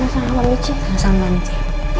sama sama mbak michi